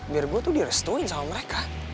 biar gue tuh direstuin sama mereka